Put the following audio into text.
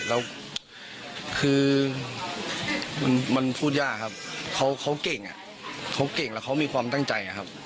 แล้วคือมันพูดยากครับเขาเก่งเขาเก่งแล้วเขามีความตั้งใจครับ